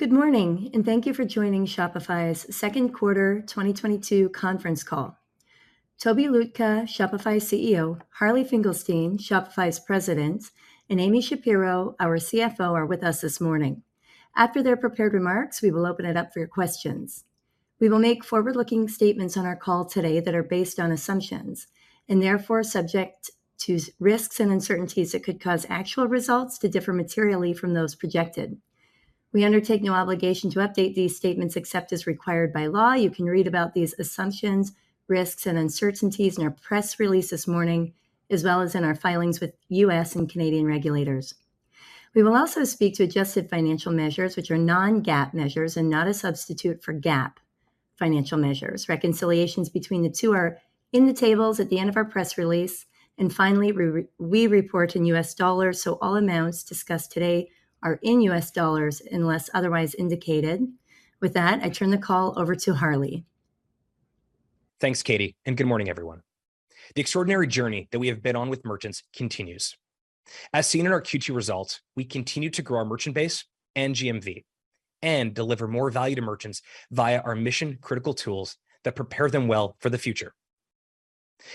Good morning, and thank you for joining Shopify's Q2 2022 Conference call. Tobi Lütke, Shopify's CEO, Harley Finkelstein, Shopify's President, and Amy Shapero, our CFO, are with us this morning. After their prepared remarks, we will open it up for your questions. We will make forward-looking statements on our call today that are based on assumptions, and therefore subject to risks and uncertainties that could cause actual results to differ materially from those projected. We undertake no obligation to update these statements except as required by law. You can read about these assumptions, risks, and uncertainties in our press release this morning, as well as in our filings with U.S. and Canadian regulators. We will also speak to adjusted financial measures, which are non-GAAP measures and not a substitute for GAAP financial measures. Reconciliations between the two are in the tables at the end of our press release. Finally, we report in US dollars, so all amounts discussed today are in US dollars unless otherwise indicated. With that, I turn the call over to Harley. Thanks, Katie, and good morning, everyone. The extraordinary journey that we have been on with merchants continues. As seen in our Q2 results, we continue to grow our merchant base and GMV and deliver more value to merchants via our mission-critical tools that prepare them well for the future.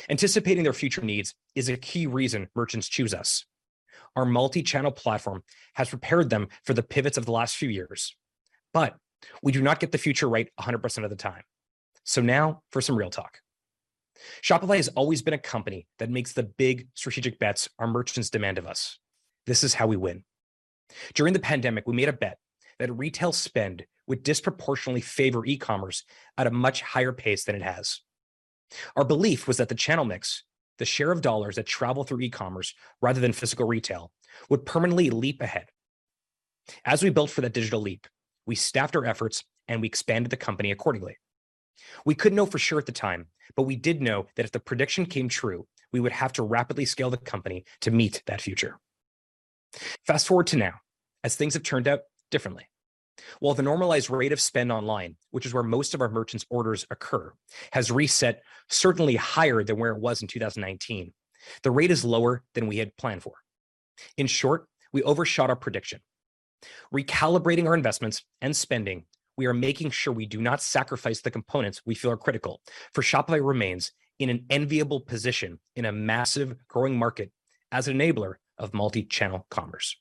Anticipating their future needs is a key reason merchants choose us. Our multi-channel platform has prepared them for the pivots of the last few years. We do not get the future right 100% of the time. Now, for some real talk. Shopify has always been a company that makes the big strategic bets our merchants demand of us. This is how we win. During the pandemic, we made a bet that retail spend would disproportionately favor e-commerce at a much higher pace than it has. Our belief was that the channel mix, the share of dollars that travel through e-commerce rather than physical retail, would permanently leap ahead. As we built for that digital leap, we staffed our efforts and we expanded the company accordingly. We couldn't know for sure at the time, but we did know that if the prediction came true, we would have to rapidly scale the company to meet that future. Fast-forward to now, as things have turned out differently. While the normalized rate of spend online, which is where most of our merchants' orders occur, has reset certainly higher than where it was in 2019, the rate is lower than we had planned for. In short, we overshot our prediction. Recalibrating our investments and spending, we are making sure we do not sacrifice the components we feel are critical, for Shopify remains in an enviable position in a massive growing market as an enabler of multi-channel commerce.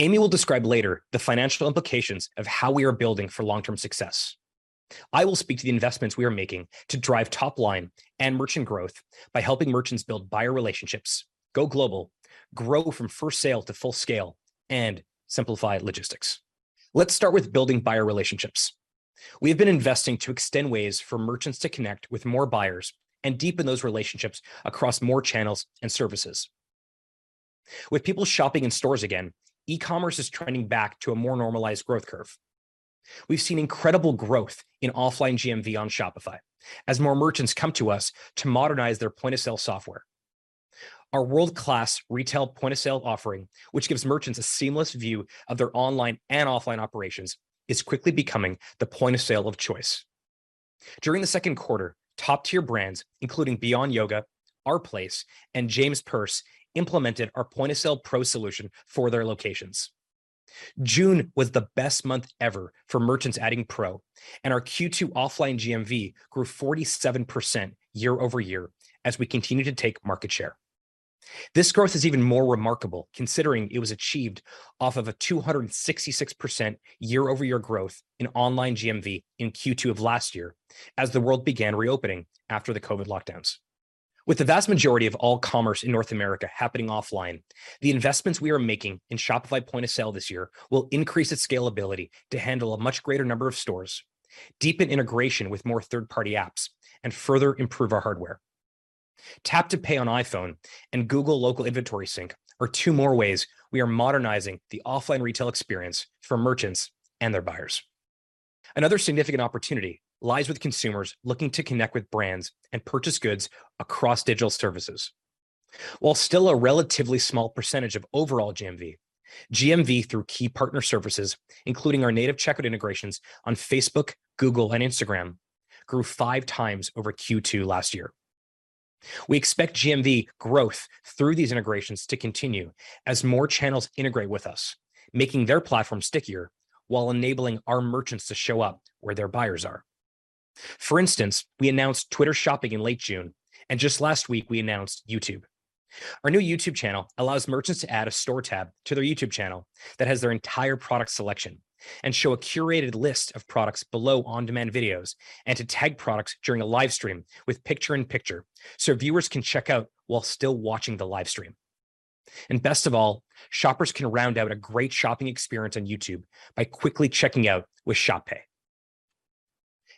Amy will describe later the financial implications of how we are building for long-term success. I will speak to the investments we are making to drive top line and merchant growth by helping merchants build buyer relationships, go global, grow from first sale to full scale, and simplify logistics. Let's start with building buyer relationships. We have been investing to extend ways for merchants to connect with more buyers and deepen those relationships across more channels and services. With people shopping in stores again, e-commerce is trending back to a more normalized growth curve. We've seen incredible growth in offline GMV on Shopify as more merchants come to us to modernize their point-of-sale software. Our world-class retail point-of-sale offering, which gives merchants a seamless view of their online and offline operations, is quickly becoming the point of sale of choice. During the Q2, top-tier brands, including Beyond Yoga, Our Place, and James Perse implemented our POS Pro solution for their locations. June was the best month ever for merchants adding Pro, and our Q2 offline GMV grew 47% year-over-year as we continue to take market share. This growth is even more remarkable considering it was achieved off of a 266% year-over-year growth in online GMV in Q2 of last year as the world began reopening after the COVID lockdowns. With the vast majority of all commerce in North America happening offline, the investments we are making in Shopify Point of Sale this year will increase its scalability to handle a much greater number of stores, deepen integration with more third-party apps, and further improve our hardware. Tap to Pay on iPhone and Google Local Inventory Sync are two more ways we are modernizing the offline retail experience for merchants and their buyers. Another significant opportunity lies with consumers looking to connect with brands and purchase goods across digital services. While still a relatively small percentage of overall GMV through key partner services, including our native checkout integrations on Facebook, Google, and Instagram, grew 5x over Q2 last year. We expect GMV growth through these integrations to continue as more channels integrate with us, making their platform stickier while enabling our merchants to show up where their buyers are. For instance, we announced Twitter shopping in late June, and just last week we announced YouTube. Our new YouTube channel allows merchants to add a store tab to their YouTube channel that has their entire product selection and show a curated list of products below on-demand videos and to tag products during a live stream with picture-in-picture, so viewers can check out while still watching the live stream. Best of all, shoppers can round out a great shopping experience on YouTube by quickly checking out with Shop Pay.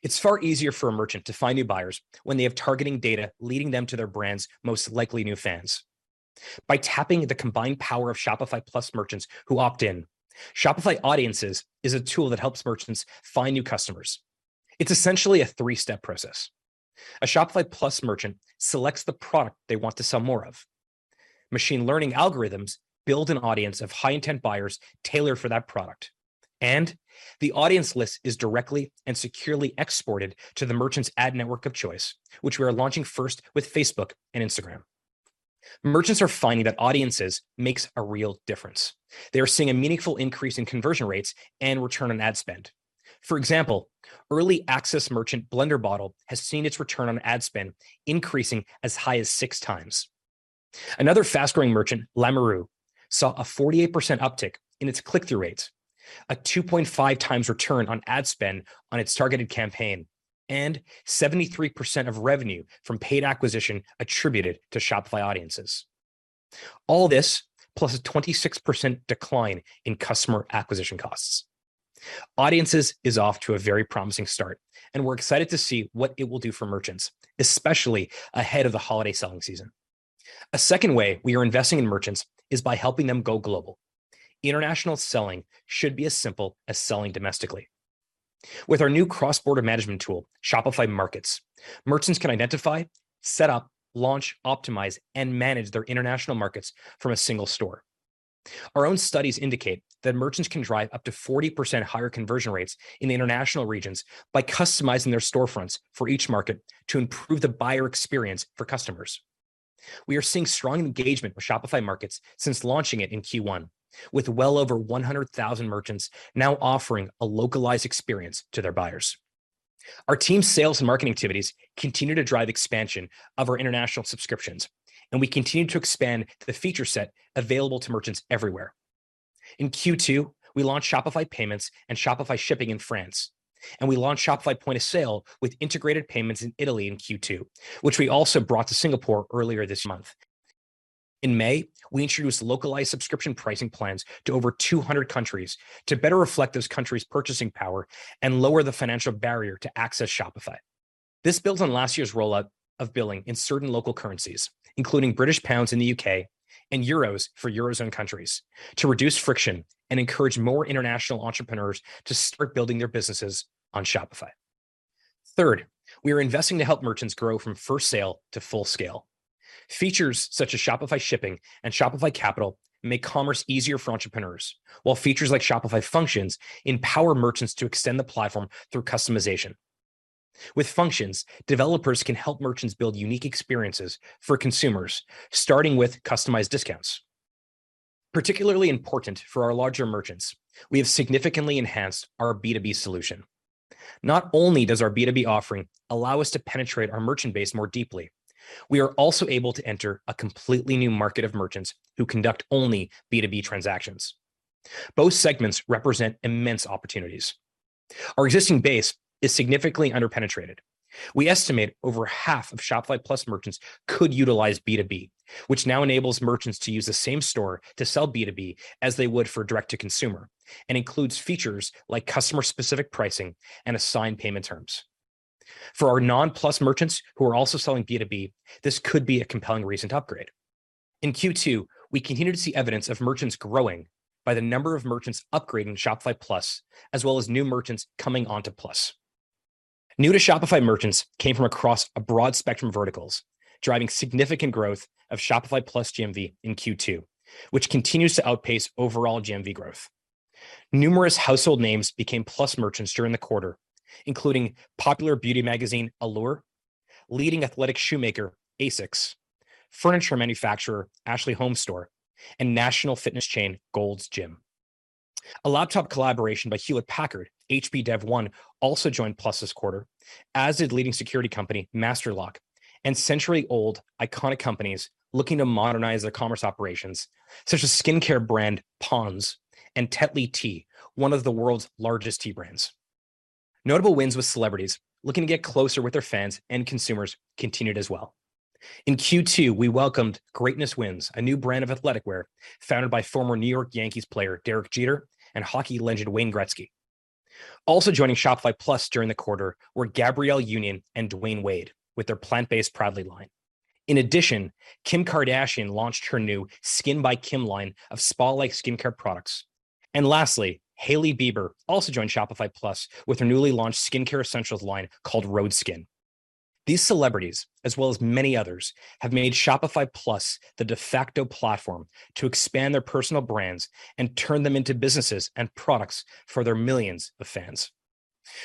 It's far easier for a merchant to find new buyers when they have targeting data leading them to their brand's most likely new fans. By tapping the combined power of Shopify Plus merchants who opt in, Shopify Audiences is a tool that helps merchants find new customers. It's essentially a three-step process. A Shopify Plus merchant selects the product they want to sell more of. Machine learning algorithms build an audience of high-intent buyers tailored for that product. And the audience list is directly and securely exported to the merchant's ad network of choice, which we are launching first with Facebook and Instagram. Merchants are finding that Audiences makes a real difference. They are seeing a meaningful increase in conversion rates and return on ad spend. For example, early access merchant BlenderBottle has seen its return on ad spend increasing as high as 6x. Another fast-growing merchant, Lamarque, saw a 48% uptick in its click-through rates, a 2.5x return on ad spend on its targeted campaign, and 73% of revenue from paid acquisition attributed to Shopify Audiences. All this plus a 26% decline in customer acquisition costs. Audiences is off to a very promising start, and we're excited to see what it will do for merchants, especially ahead of the holiday selling season. A second way we are investing in merchants is by helping them go global. International selling should be as simple as selling domestically. With our new cross-border management tool, Shopify Markets, merchants can identify, set up, launch, optimize, and manage their international markets from a single store. Our own studies indicate that merchants can drive up to 40% higher conversion rates in the international regions by customizing their storefronts for each market to improve the buyer experience for customers. We are seeing strong engagement with Shopify Markets since launching it in Q1, with well over 100,000 merchants now offering a localized experience to their buyers. Our team sales and marketing activities continue to drive expansion of our international subscriptions, and we continue to expand the feature set available to merchants everywhere. In Q2, we launched Shopify Payments and Shopify Shipping in France, and we launched Shopify Point of Sale with integrated payments in Italy in Q2, which we also brought to Singapore earlier this month. In May, we introduced localized subscription pricing plans to over 200 countries to better reflect those countries' purchasing power and lower the financial barrier to access Shopify. This builds on last year's rollout of billing in certain local currencies, including British pounds in the U.K. and euros for Eurozone countries, to reduce friction and encourage more international entrepreneurs to start building their businesses on Shopify. Third, we are investing to help merchants grow from first sale to full scale. Features such as Shopify Shipping and Shopify Capital make commerce easier for entrepreneurs, while features like Shopify Functions empower merchants to extend the platform through customization. With Functions, developers can help merchants build unique experiences for consumers, starting with customized discounts. Particularly important for our larger merchants, we have significantly enhanced our B2B solution. Not only does our B2B offering allow us to penetrate our merchant base more deeply, we are also able to enter a completely new market of merchants who conduct only B2B transactions. Both segments represent immense opportunities. Our existing base is significantly under-penetrated. We estimate over half of Shopify Plus merchants could utilize B2B, which now enables merchants to use the same store to sell B2B as they would for direct-to-consumer and includes features like customer-specific pricing and assigned payment terms. For our non-Plus merchants who are also selling B2B, this could be a compelling reason to upgrade. In Q2, we continued to see evidence of merchants growing by the number of merchants upgrading to Shopify Plus, as well as new merchants coming onto Plus. New-to-Shopify merchants came from across a broad spectrum of verticals, driving significant growth of Shopify Plus GMV in Q2, which continues to outpace overall GMV growth. Numerous household names became Plus merchants during the quarter, including popular beauty magazine Allure, leading athletic shoemaker ASICS, furniture manufacturer Ashley HomeStore, and national fitness chain Gold's Gym. A laptop collaboration by Hewlett-Packard, HP Dev One, also joined Shopify Plus this quarter, as did leading security company Master Lock and century-old iconic companies looking to modernize their commerce operations, such as skincare brand Pond's and Tetley, one of the world's largest tea brands. Notable wins with celebrities looking to get closer with their fans and consumers continued as well. In Q2, we welcomed Greatness Wins, a new brand of athletic wear founded by former New York Yankees player Derek Jeter and hockey legend Wayne Gretzky. Also joining Shopify Plus during the quarter were Gabrielle Union and Dwyane Wade with their plant-based PROUDLY line. In addition, Kim Kardashian launched her new SKKN BY KIM line of spa-like skincare products. Lastly, Hailey Bieber also joined Shopify Plus with her newly launched skincare essentials line called Rhode. These celebrities, as well as many others, have made Shopify Plus the de facto platform to expand their personal brands and turn them into businesses and products for their millions of fans.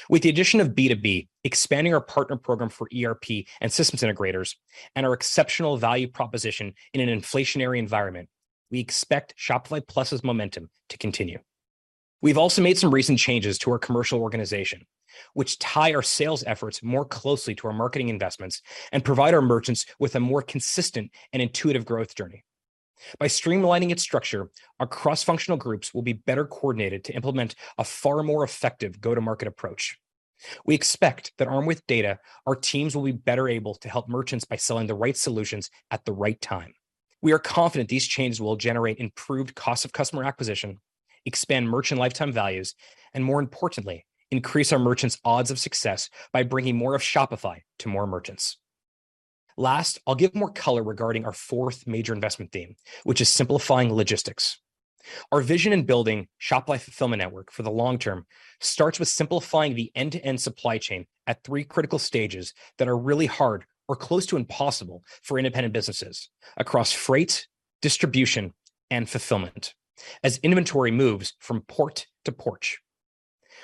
With the addition of B2B, expanding our partner program for ERP and systems integrators, and our exceptional value proposition in an inflationary environment, we expect Shopify Plus's momentum to continue. We've also made some recent changes to our commercial organization, which tie our sales efforts more closely to our marketing investments and provide our merchants with a more consistent and intuitive growth journey. By streamlining its structure, our cross-functional groups will be better coordinated to implement a far more effective go-to-market approach. We expect that armed with data, our teams will be better able to help merchants by selling the right solutions at the right time. We are confident these changes will generate improved cost of customer acquisition, expand merchant lifetime values, and more importantly, increase our merchants' odds of success by bringing more of Shopify to more merchants. Last, I'll give more color regarding our fourth major investment theme, which is simplifying logistics. Our vision in building Shopify Fulfillment Network for the long term starts with simplifying the end-to-end supply chain at three critical stages that are really hard or close to impossible for independent businesses across freight, distribution, and fulfillment as inventory moves from port to porch.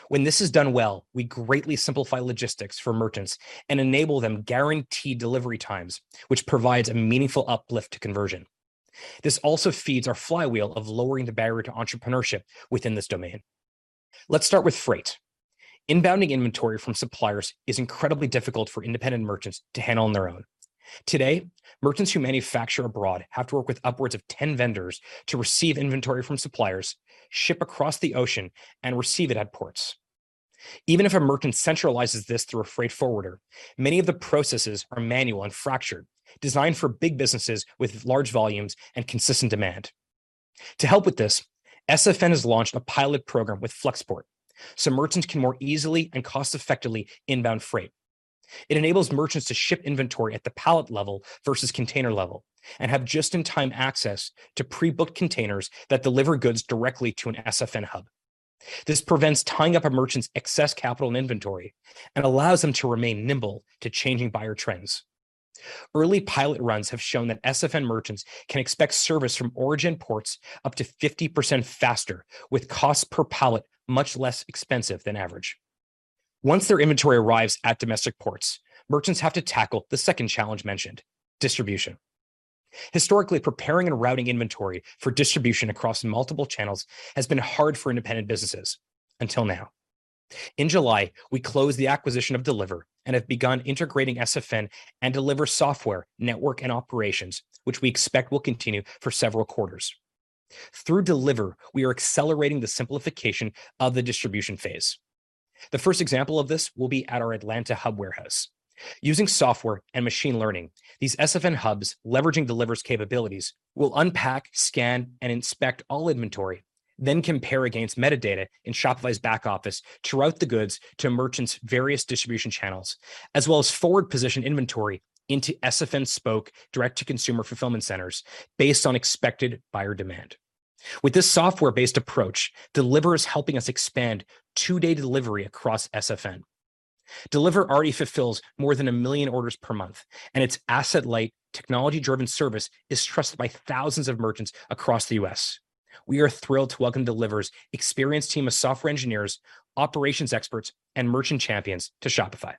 When this is done well, we greatly simplify logistics for merchants and enable them guaranteed delivery times, which provides a meaningful uplift to conversion. This also feeds our flywheel of lowering the barrier to entrepreneurship within this domain. Let's start with freight. Inbounding inventory from suppliers is incredibly difficult for independent merchants to handle on their own. Today, merchants who manufacture abroad have to work with upward of 10 vendors to receive inventory from suppliers, ship across the ocean, and receive it at ports. Even if a merchant centralizes this through a freight forwarder, many of the processes are manual and fractured, designed for big businesses with large volumes and consistent demand. To help with this, SFN has launched a pilot program with Flexport, so merchants can more easily and cost-effectively inbound freight. It enables merchants to ship inventory at the pallet level versus container level and have just-in-time access to pre-booked containers that deliver goods directly to an SFN hub. This prevents tying up a merchant's excess capital and inventory and allows them to remain nimble to changing buyer trends. Early pilot runs have shown that SFN merchants can expect service from origin ports up to 50% faster with cost per pallet much less expensive than average. Once their inventory arrives at domestic ports, merchants have to tackle the second challenge mentioned, distribution. Historically, preparing and routing inventory for distribution across multiple channels has been hard for independent businesses until now. In July, we closed the acquisition of Deliverr and have begun integrating SFN and Deliverr software, network, and operations, which we expect will continue for several quarters. Through Deliverr, we are accelerating the simplification of the distribution phase. The first example of this will be at our Atlanta hub warehouse. Using software and machine learning, these SFN hubs, leveraging Deliverr's capabilities, will unpack, scan, and inspect all inventory, then compare against metadata in Shopify's back office to route the goods to merchants' various distribution channels, as well as forward-position inventory into SFN's spoke direct-to-consumer fulfillment centers based on expected buyer demand. With this software-based approach, Deliverr is helping us expand two-day delivery across SFN. Deliverr already fulfills more than 1 million orders per month, and its asset-light, technology-driven service is trusted by thousands of merchants across the U.S. We are thrilled to welcome Deliverr's experienced team of software engineers, operations experts, and merchant champions to Shopify.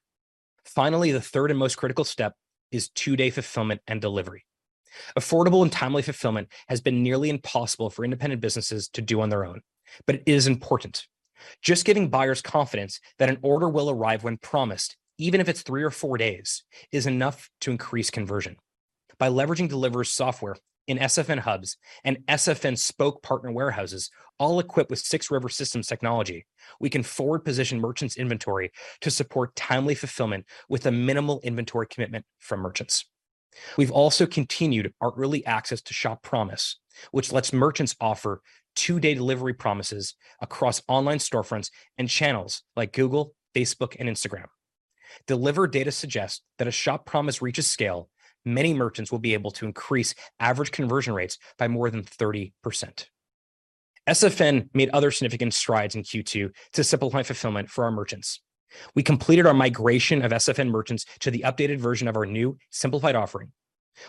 Finally, the third and most critical step is two-day fulfillment and delivery. Affordable and timely fulfillment has been nearly impossible for independent businesses to do on their own, but it is important. Just giving buyers confidence that an order will arrive when promised, even if it's three or four days, is enough to increase conversion. By leveraging Deliverr's software in SFN hubs and SFN spoke partner warehouses, all equipped with 6 River Systems technology, we can forward-position merchants' inventory to support timely fulfillment with a minimal inventory commitment from merchants. We've also continued our early access to Shop Promise, which lets merchants offer two-day delivery promises across online storefronts and channels like Google, Facebook, and Instagram. Deliverr data suggests that as Shop Promise reaches scale, many merchants will be able to increase average conversion rates by more than 30%. SFN made other significant strides in Q2 to simplify fulfillment for our merchants. We completed our migration of SFN merchants to the updated version of our new simplified offering.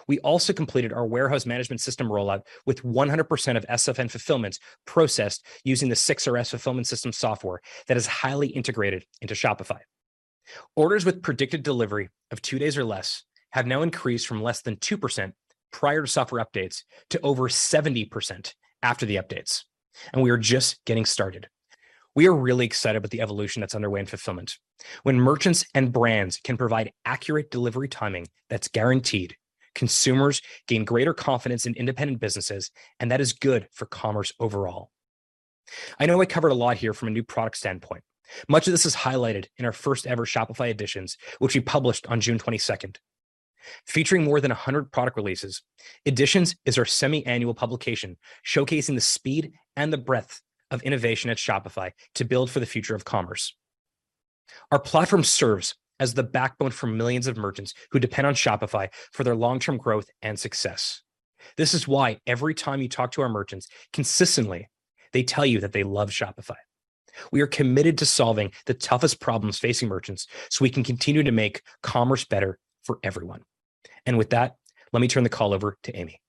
We also completed our warehouse management system rollout with 100% of SFN fulfillments processed using the 6 River Systems Fulfillment System software that is highly integrated into Shopify. Orders with predicted delivery of two days or less have now increased from less than 2% prior to software updates to over 70% after the updates, and we are just getting started. We are really excited about the evolution that's underway in fulfillment. When merchants and brands can provide accurate delivery timing that's guaranteed, consumers gain greater confidence in independent businesses, and that is good for commerce overall. I know I covered a lot here from a new product standpoint. Much of this is highlighted in our first-ever Shopify Editions, which we published on June 22nd. Featuring more than 100 product releases, Editions is our semiannual publication showcasing the speed and the breadth of innovation at Shopify to build for the future of commerce. Our platform serves as the backbone for millions of merchants who depend on Shopify for their long-term growth and success. This is why every time you talk to our merchants, consistently, they tell you that they love Shopify. We are committed to solving the toughest problems facing merchants, so we can continue to make commerce better for everyone. With that, let me turn the call over to Amy.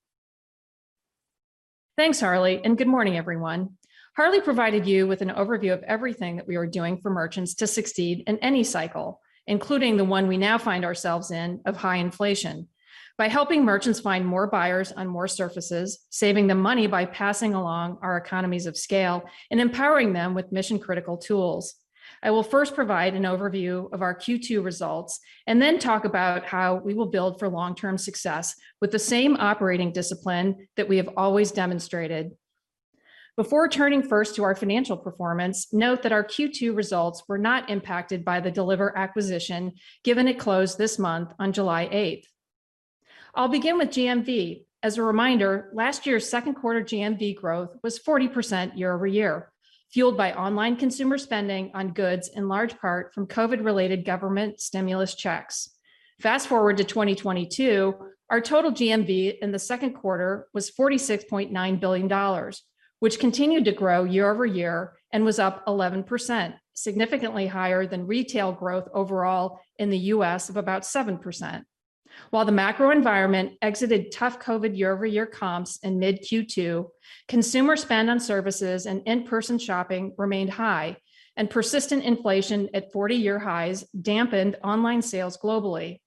Thanks, Harley, and good morning, everyone. Harley provided you with an overview of everything that we are doing for merchants to succeed in any cycle, including the one we now find ourselves in of high inflation. By helping merchants find more buyers on more surfaces, saving them money by passing along our economies of scale, and empowering them with mission-critical tools. I will first provide an overview of our Q2 results and then talk about how we will build for long-term success with the same operating discipline that we have always demonstrated. Before turning first to our financial performance, note that our Q2 results were not impacted by the Deliverr acquisition, given it closed this month on July eighth. I'll begin with GMV. As a reminder, last year's Q2 GMV growth was 40% year-over-year, fueled by online consumer spending on goods in large part from COVID-related government stimulus checks. Fast-forward to 2022, our total GMV in the Q2 was $46.9 billion, which continued to grow year-over-year and was up 11%, significantly higher than retail growth overall in the U.S. of about 7%. While the macro environment exited tough COVID year-over-year comps in mid-Q2, consumer spend on services and in-person shopping remained high, and persistent inflation at 40-year highs dampened online sales globally.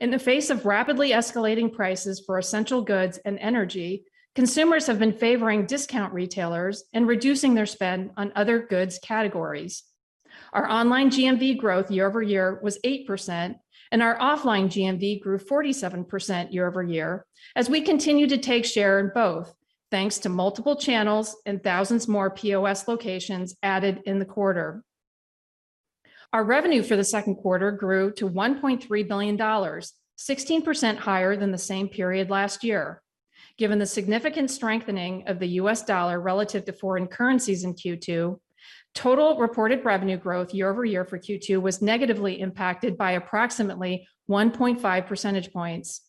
In the face of rapidly escalating prices for essential goods and energy, consumers have been favoring discount retailers and reducing their spend on other goods categories. Our online GMV growth year-over-year was 8%, and our offline GMV grew 47% year-over-year as we continue to take share in both, thanks to multiple channels and thousands more POS locations added in the quarter. Our revenue for the Q2 grew to $1.3 billion, 16% higher than the same period last year. Given the significant strengthening of the US dollar relative to foreign currencies in Q2, total reported revenue growth year-over-year for Q2 was negatively impacted by approximately 1.5 percentage points.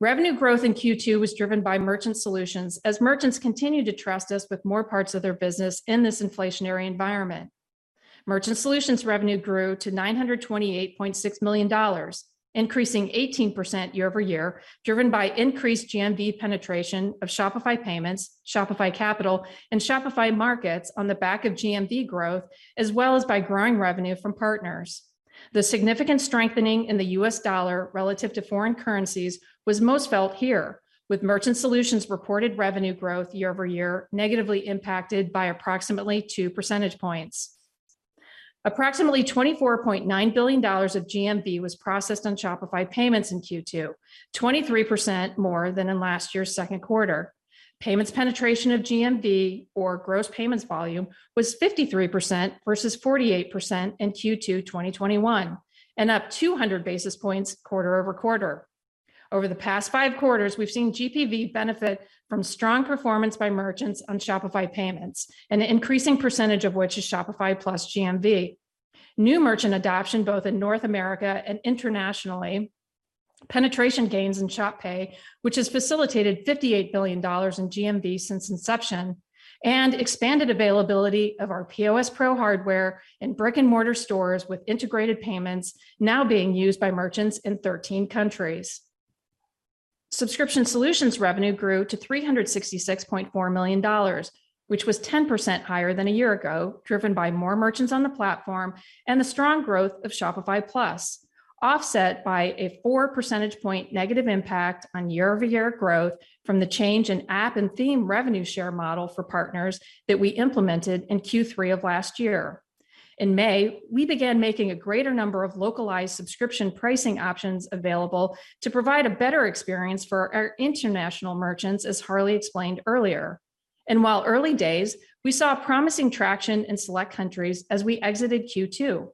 Revenue growth in Q2 was driven by Merchant Solutions as merchants continue to trust us with more parts of their business in this inflationary environment. Merchant Solutions revenue grew to $928.6 million, increasing 18% year-over-year, driven by increased GMV penetration of Shopify Payments, Shopify Capital, and Shopify Markets on the back of GMV growth, as well as by growing revenue from partners. The significant strengthening in the US dollar relative to foreign currencies was most felt here, with Merchant Solutions reported revenue growth year-over-year negatively impacted by approximately two percentage points. Approximately $24.9 billion of GMV was processed on Shopify Payments in Q2, 23% more than in last year's Q2. Payments penetration of GMV or gross payments volume was 53% versus 48% in Q2 2021, and up 200 basis points quarter-over-quarter. Over the past five quarters, we've seen GPV benefit from strong performance by merchants on Shopify Payments, and an increasing percentage of which is Shopify Plus GMV. New merchant adoption, both in North America and internationally, penetration gains in Shop Pay, which has facilitated $58 billion in GMV since inception, and expanded availability of our POS Pro hardware in brick-and-mortar stores with integrated payments now being used by merchants in 13 countries. Subscription Solutions revenue grew to $366.4 million, which was 10% higher than a year ago, driven by more merchants on the platform and the strong growth of Shopify Plus, offset by a four percentage point negative impact on year-over-year growth from the change in app and theme revenue share model for partners that we implemented in Q3 of last year. In May, we began making a greater number of localized subscription pricing options available to provide a better experience for our international merchants, as Harley explained earlier. While early days, we saw promising traction in select countries as we exited Q2.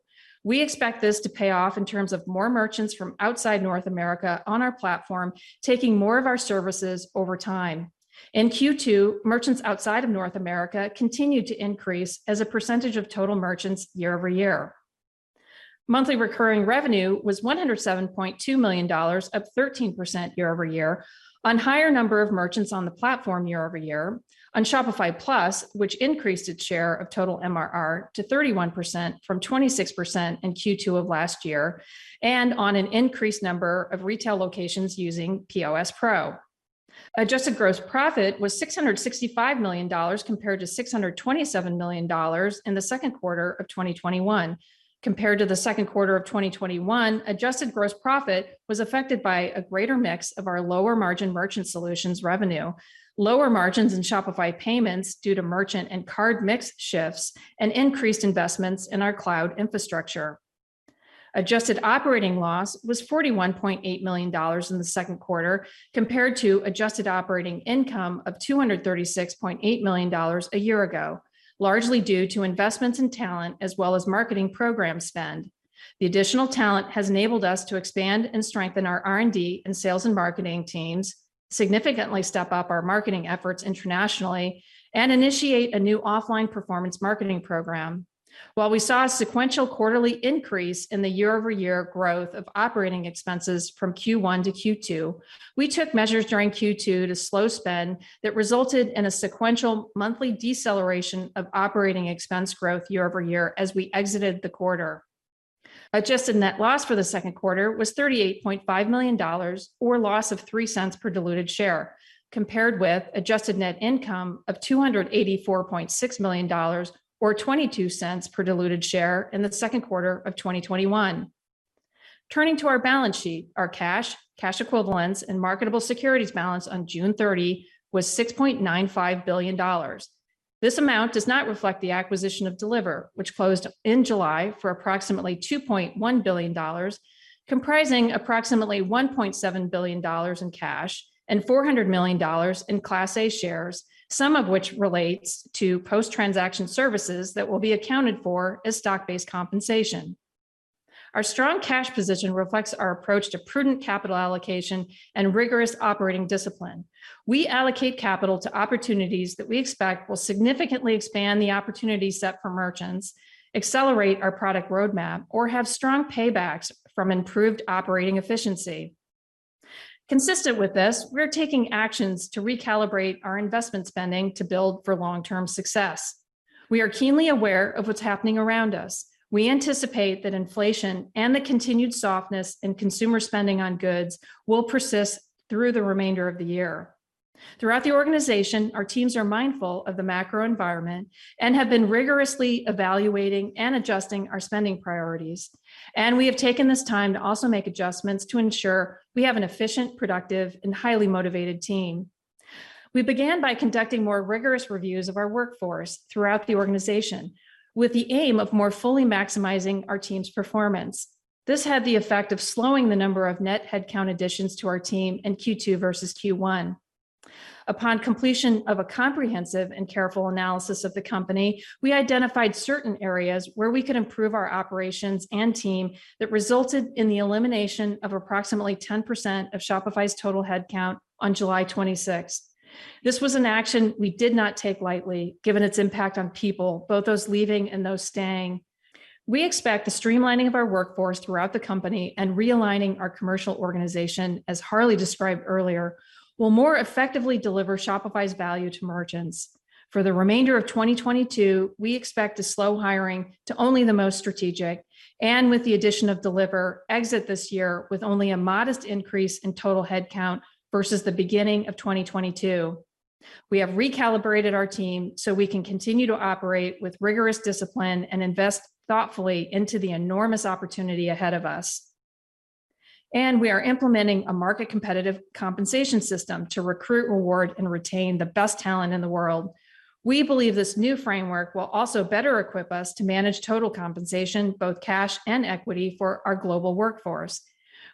We expect this to pay off in terms of more merchants from outside North America on our platform, taking more of our services over time. In Q2, merchants outside of North America continued to increase as a percentage of total merchants year-over-year. Monthly recurring revenue was $107.2 million, up 13% year-over-year on higher number of merchants on the platform year-over-year, on Shopify Plus, which increased its share of total MRR to 31% from 26% in Q2 of last year, and on an increased number of retail locations using POS Pro. Adjusted gross profit was $665 million compared to $627 million in the Q2 of 2021. Compared to the Q2 of 2021, adjusted gross profit was affected by a greater mix of our lower-margin Merchant Solutions revenue, lower margins in Shopify Payments due to merchant and card mix shifts, and increased investments in our cloud infrastructure. Adjusted operating loss was $41.8 million in the Q2, compared to adjusted operating income of $236.8 million a year ago, largely due to investments in talent as well as marketing program spend. The additional talent has enabled us to expand and strengthen our R&D and sales and marketing teams, significantly step up our marketing efforts internationally, and initiate a new offline performance marketing program. While we saw a sequential quarterly increase in the year-over-year growth of operating expenses from Q1 to Q2, we took measures during Q2 to slow spend that resulted in a sequential monthly deceleration of operating expense growth year-over-year as we exited the quarter. Adjusted net loss for the Q2 was $38.5 million or loss of $0.03 per diluted share, compared with adjusted net income of $284.6 million or $0.22 per diluted share in the Q2 of 2021. Turning to our balance sheet, our cash equivalents, and marketable securities balance on June 30 was $6.95 billion. This amount does not reflect the acquisition of Deliverr, which closed in July for approximately $2.1 billion, comprising approximately $1.7 billion in cash and $400 million in Class A shares, some of which relates to post-transaction services that will be accounted for as stock-based compensation. Our strong cash position reflects our approach to prudent capital allocation and rigorous operating discipline. We allocate capital to opportunities that we expect will significantly expand the opportunity set for merchants, accelerate our product roadmap, or have strong paybacks from improved operating efficiency. Consistent with this, we're taking actions to recalibrate our investment spending to build for long-term success. We are keenly aware of what's happening around us. We anticipate that inflation and the continued softness in consumer spending on goods will persist through the remainder of the year. Throughout the organization, our teams are mindful of the macro environment and have been rigorously evaluating and adjusting our spending priorities, and we have taken this time to also make adjustments to ensure we have an efficient, productive, and highly motivated team. We began by conducting more rigorous reviews of our workforce throughout the organization with the aim of more fully maximizing our team's performance. This had the effect of slowing the number of net headcount additions to our team in Q2 versus Q1. Upon completion of a comprehensive and careful analysis of the company, we identified certain areas where we could improve our operations and team that resulted in the elimination of approximately 10% of Shopify's total headcount on July 26th. This was an action we did not take lightly, given its impact on people, both those leaving and those staying. We expect the streamlining of our workforce throughout the company and realigning our commercial organization, as Harley described earlier, will more effectively deliver Shopify's value to merchants. For the remainder of 2022, we expect to slow hiring to only the most strategic and, with the addition of Deliverr, exit this year with only a modest increase in total headcount versus the beginning of 2022. We have recalibrated our team so we can continue to operate with rigorous discipline and invest thoughtfully into the enormous opportunity ahead of us. We are implementing a market-competitive compensation system to recruit, reward, and retain the best talent in the world. We believe this new framework will also better equip us to manage total compensation, both cash and equity, for our global workforce.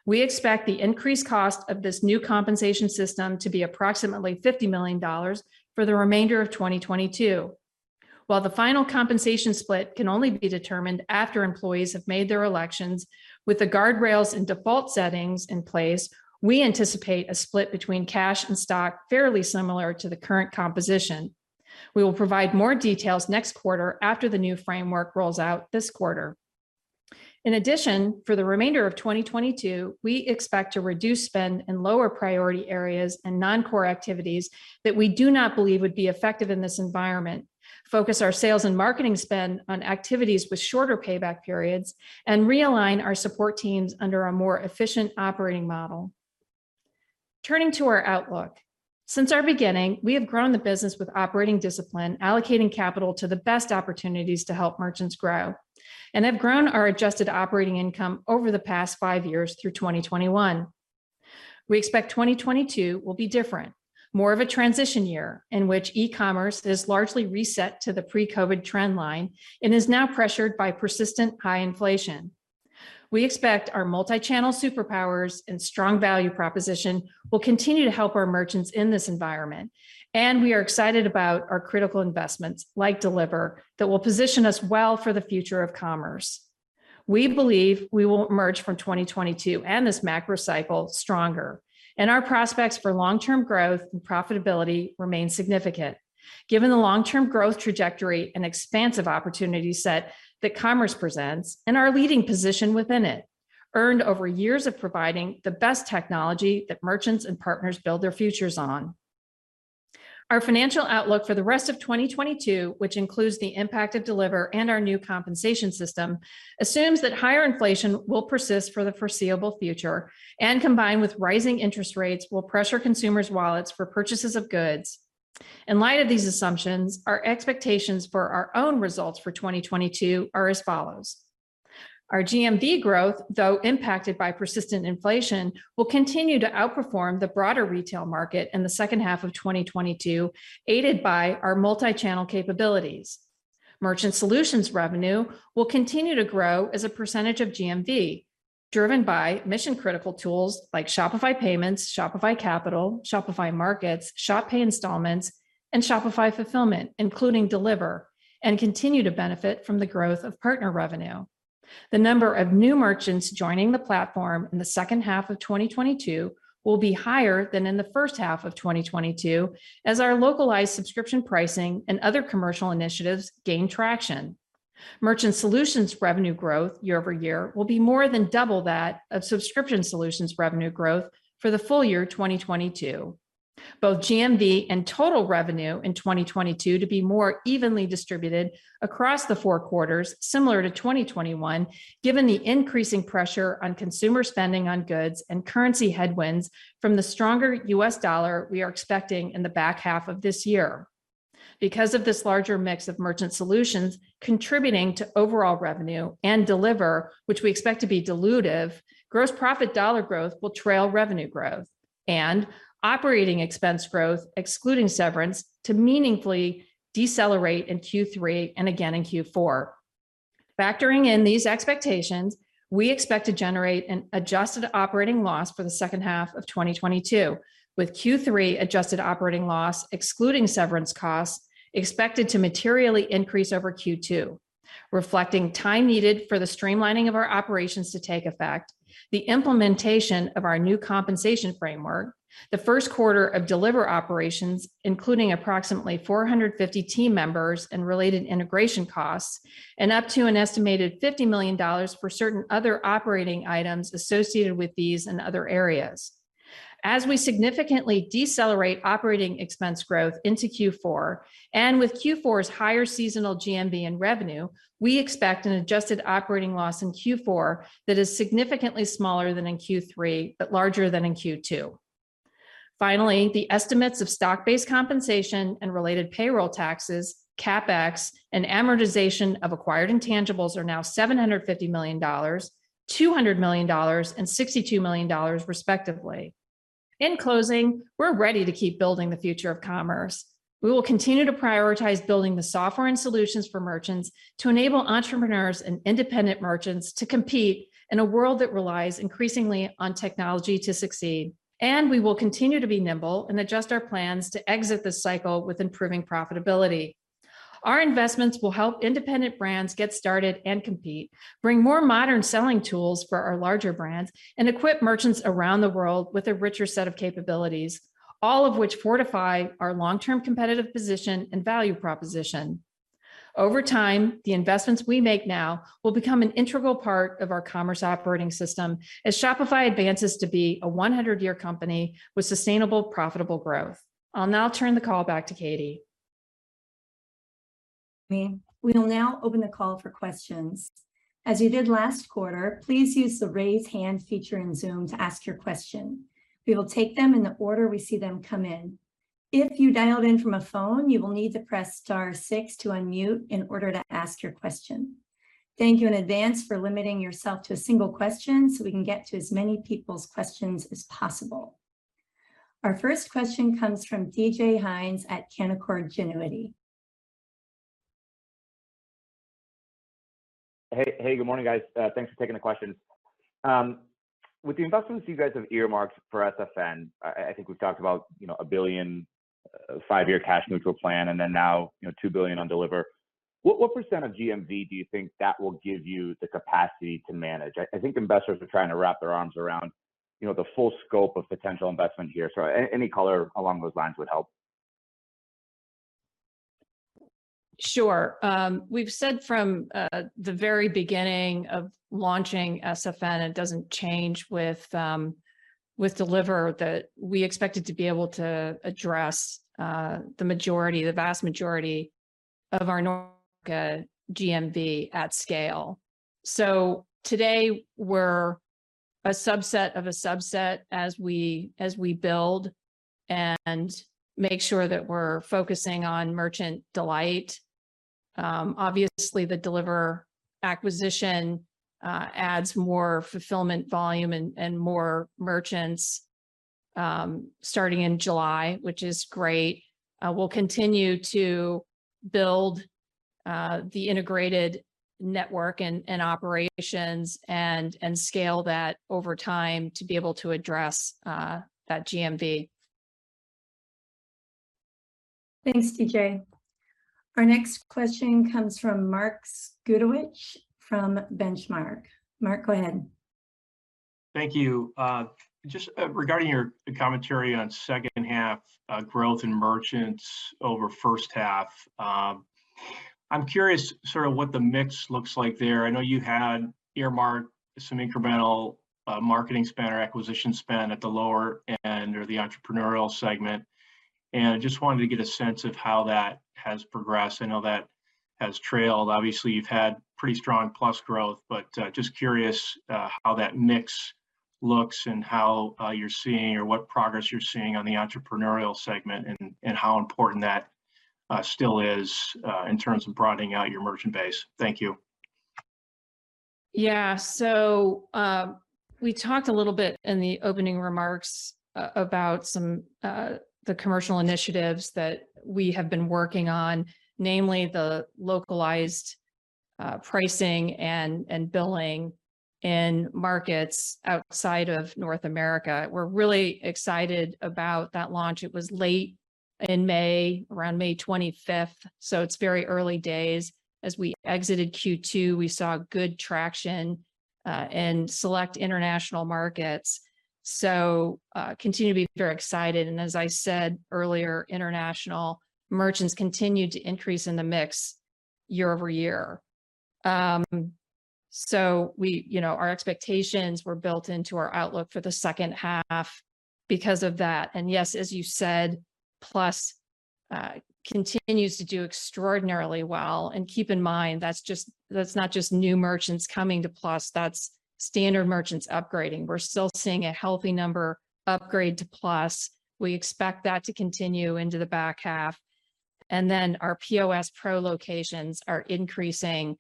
We expect the increased cost of this new compensation system to be approximately $50 million for the remainder of 2022. While the final compensation split can only be determined after employees have made their elections, with the guardrails and default settings in place, we anticipate a split between cash and stock fairly similar to the current composition. We will provide more details next quarter after the new framework rolls out this quarter. In addition, for the remainder of 2022, we expect to reduce spend in lower priority areas and non-core activities that we do not believe would be effective in this environment, focus our sales and marketing spend on activities with shorter payback periods, and realign our support teams under a more efficient operating model. Turning to our outlook, since our beginning, we have grown the business with operating discipline, allocating capital to the best opportunities to help merchants grow, and have grown our adjusted operating income over the past five years through 2021. We expect 2022 will be different, more of a transition year in which e-commerce is largely reset to the pre-COVID trend line and is now pressured by persistent high inflation. We expect our multi-channel superpowers and strong value proposition will continue to help our merchants in this environment, and we are excited about our critical investments like Deliverr that will position us well for the future of commerce. We believe we will emerge from 2022 and this macro cycle stronger, and our prospects for long-term growth and profitability remain significant given the long-term growth trajectory and expansive opportunity set that commerce presents and our leading position within it, earned over years of providing the best technology that merchants and partners build their futures on. Our financial outlook for the rest of 2022, which includes the impact of Deliverr and our new compensation system, assumes that higher inflation will persist for the foreseeable future and, combined with rising interest rates, will pressure consumers' wallets for purchases of goods. In light of these assumptions, our expectations for our own results for 2022 are as follows. Our GMV growth, though impacted by persistent inflation, will continue to outperform the broader retail market in the second half of 2022, aided by our multi-channel capabilities. Merchant Solutions revenue will continue to grow as a percentage of GMV, driven by mission-critical tools like Shopify Payments, Shopify Capital, Shopify Markets, Shop Pay Installments, and Shopify Fulfillment, including Deliverr, and continue to benefit from the growth of partner revenue. The number of new merchants joining the platform in the second half of 2022 will be higher than in the first half of 2022 as our localized subscription pricing and other commercial initiatives gain traction. Merchant Solutions revenue growth year-over-year will be more than double that of Subscription Solutions revenue growth for the full year 2022. Both GMV and total revenue in 2022 to be more evenly distributed across the four quarters, similar to 2021, given the increasing pressure on consumer spending on goods and currency headwinds from the stronger US dollar we are expecting in the back half of this year. Because of this larger mix of Merchant Solutions contributing to overall revenue and Deliverr, which we expect to be dilutive, gross profit dollar growth will trail revenue growth and operating expense growth, excluding severance, to meaningfully decelerate in Q3 and again in Q4. Factoring in these expectations, we expect to generate an adjusted operating loss for the second half of 2022, with Q3 adjusted operating loss, excluding severance costs, expected to materially increase over Q2, reflecting time needed for the streamlining of our operations to take effect, the implementation of our new compensation framework, the Q1 of Deliverr operations, including approximately 450 team members and related integration costs, and up to an estimated $50 million for certain other operating items associated with these and other areas. As we significantly decelerate operating expense growth into Q4 and with Q4's higher seasonal GMV and revenue, we expect an adjusted operating loss in Q4 that is significantly smaller than in Q3, but larger than in Q2. Finally, the estimates of stock-based compensation and related payroll taxes, CapEx, and amortization of acquired intangibles are now $750 million, $200 million, and $62 million respectively. In closing, we're ready to keep building the future of commerce. We will continue to prioritize building the software and solutions for merchants to enable entrepreneurs and independent merchants to compete in a world that relies increasingly on technology to succeed. We will continue to be nimble and adjust our plans to exit this cycle with improving profitability. Our investments will help independent brands get started and compete, bring more modern selling tools for our larger brands, and equip merchants around the world with a richer set of capabilities, all of which fortify our long-term competitive position and value proposition. Over time, the investments we make now will become an integral part of our commerce operating system as Shopify advances to be a 100-year company with sustainable, profitable growth. I'll now turn the call back to Katie. We will now open the call for questions. As you did last quarter, please use the Raise Hand feature in Zoom to ask your question. We will take them in the order we see them come in. If you dialed in from a phone, you will need to press star six to unmute in order to ask your question. Thank you in advance for limiting yourself to a single question, so we can get to as many people's questions as possible. Our first question comes from DJ Hynes at Canaccord Genuity. Hey, good morning, guys. Thanks for taking the question. With the investments you guys have earmarked for SFN, I think we've talked about, you know, $1 billion five-year cash neutral plan, and then now, you know, $2 billion on Deliverr. What percent of GMV do you think that will give you the capacity to manage? I think investors are trying to wrap their arms around, you know, the full scope of potential investment here. Any color along those lines would help. Sure. We've said from the very beginning of launching SFN, it doesn't change with Deliverr, that we expected to be able to address the majority, the vast majority of our North America GMV at scale. Today, we're a subset of a subset as we build and make sure that we're focusing on merchant delight. Obviously, the Deliverr acquisition adds more fulfillment volume and more merchants starting in July, which is great. We'll continue to build the integrated network and operations and scale that over time to be able to address that GMV. Thanks, DJ. Our next question comes from Mark Zgutowicz from Benchmark. Mark, go ahead. Thank you. Just regarding your commentary on second half growth in merchants over first half, I'm curious sort of what the mix looks like there. I know you had earmarked some incremental marketing spend or acquisition spend at the lower end or the entrepreneurial segment, and I just wanted to get a sense of how that has progressed. I know that has trailed. Obviously, you've had pretty strong Plus growth, but just curious how that mix looks and how you're seeing or what progress you're seeing on the entrepreneurial segment and how important that still is in terms of broadening out your merchant base. Thank you. We talked a little bit in the opening remarks about some of the commercial initiatives that we have been working on, namely the localized pricing and billing in markets outside of North America. We're really excited about that launch. It was late in May, around May 25th, so it's very early days. As we exited Q2, we saw good traction in select international markets, so continue to be very excited. As I said earlier, international merchants continued to increase in the mix year-over-year. We, you know, our expectations were built into our outlook for the second half because of that. Yes, as you said, Plus continues to do extraordinarily well. Keep in mind, that's just not just new merchants coming to Plus, that's standard merchants upgrading. We're still seeing a healthy number upgrade to Plus. We expect that to continue into the back half. Our POS Pro locations are increasing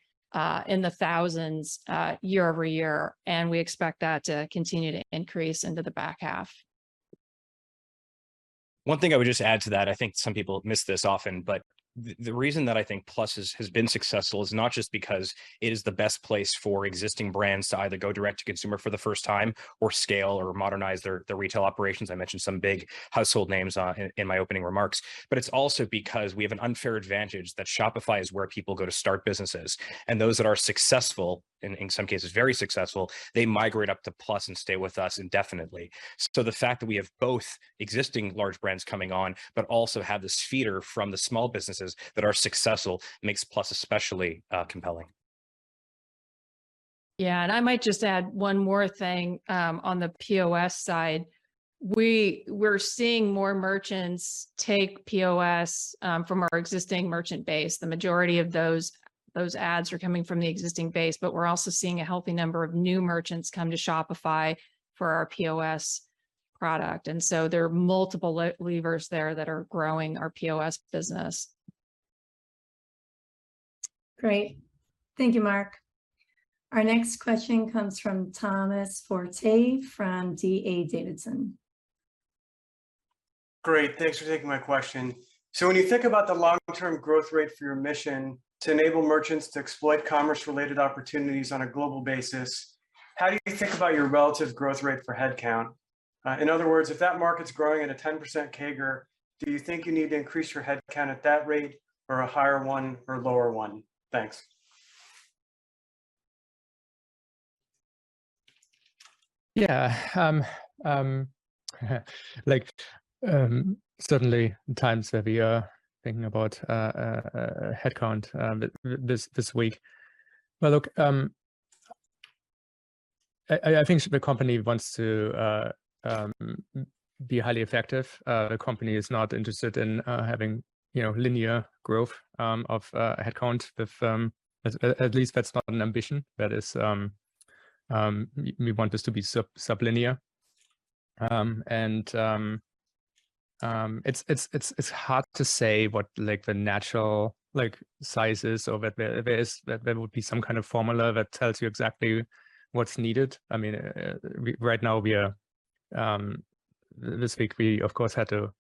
in the thousands year-over-year, and we expect that to continue to increase into the back half. One thing I would just add to that, I think some people miss this often, but the reason that I think Plus has been successful is not just because it is the best place for existing brands to either go direct to consumer for the first time or scale or modernize their retail operations. I mentioned some big household names in my opening remarks. But it's also because we have an unfair advantage that Shopify is where people go to start businesses, and those that are successful, in some cases very successful, they migrate up to Plus and stay with us indefinitely. The fact that we have both existing large brands coming on but also have this feeder from the small businesses that are successful makes Plus especially compelling. Yeah. I might just add one more thing on the POS side. We're seeing more merchants take POS from our existing merchant base. The majority of those adds are coming from the existing base, but we're also seeing a healthy number of new merchants come to Shopify for our POS product. There are multiple levers there that are growing our POS business. Great. Thank you, Mark. Our next question comes from Thomas Forte from D.A. Davidson. Great. Thanks for taking my question. When you think about the long-term growth rate for your mission to enable merchants to exploit commerce-related opportunities on a global basis, how do you think about your relative growth rate for headcount? In other words, if that market's growing at a 10% CAGR, do you think you need to increase your headcount at that rate or a higher one or lower one? Thanks. Yeah. Like, certainly times that we are thinking about headcount this week. Look, I think the company wants to be highly effective. The company is not interested in having, you know, linear growth of headcount. At least that's not an ambition. That is, we want this to be sublinear. It's hard to say what, like, the natural, like, size is or that there would be some kind of formula that tells you exactly what's needed. I mean, right now we are. This week we, of course, had to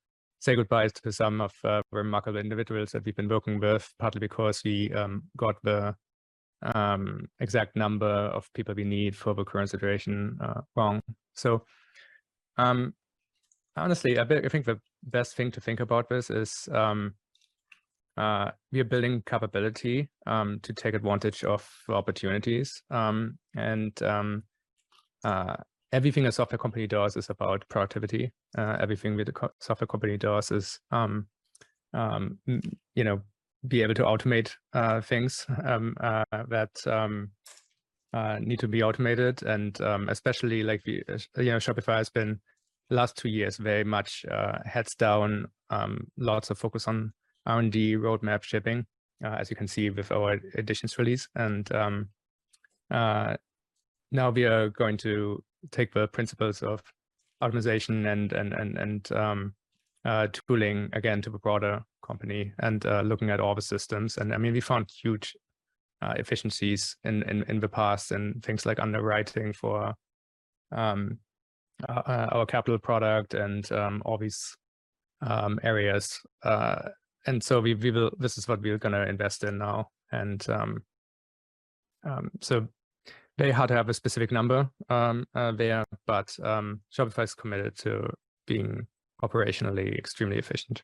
say goodbye to some of remarkable individuals that we've been working with, partly because we got the exact number of people we need for the current situation wrong. Honestly, I think the best thing to think about this is we are building capability to take advantage of opportunities. Everything a software company does is about productivity. Everything that a core software company does is, you know, be able to automate things that need to be automated and especially, like, you know, Shopify has been last two years very much heads down, lots of focus on R&D, roadmap shipping, as you can see with our Editions release and now we are going to take the principles of optimization and tooling again to the broader company and looking at all the systems. I mean, we found huge efficiencies in the past and things like underwriting for our Capital product and all these areas. So we will. This is what we're gonna invest in now. Very hard to have a specific number there, but Shopify is committed to being operationally extremely efficient.